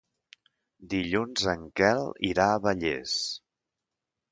Dilluns en Quel irà a Vallés.